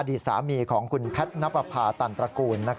ดีสามีของคุณแพทย์นับประพาตันตระกูล